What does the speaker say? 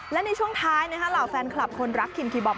และในช่วงท้ายเหล่าแฟนคลับคนรักคิมคีบอม